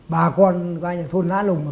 bà con qua nhà thôn lá lùng